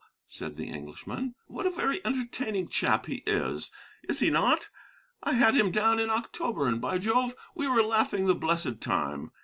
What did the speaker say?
said the Englishman; "what a very entertaining chap he is, is he not? I had him down in October, and, by Jove, we were laughing the blessed time.